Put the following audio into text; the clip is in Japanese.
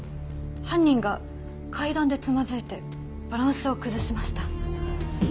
犯人が階段でつまずいてバランスを崩しました。